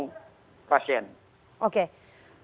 tapi masih bisa diangkat oleh pasien